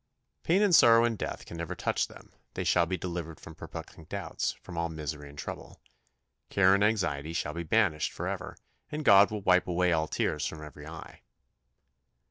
" Pain and sorrow and death can never touch them; they shall be delivered from perplexing doubts, from all misery and trouble. Care and anxiety shall be banished for ever, and God will wipe away all tears from every eye.